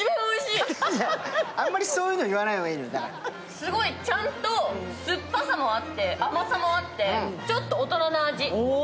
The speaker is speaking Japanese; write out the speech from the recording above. すごいちゃんと酸っぱさもあって、甘さもあってちょっと大人な味。